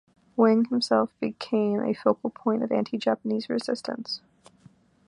Wang himself became a focal point of anti-Japanese resistance.